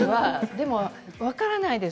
でも分からないです。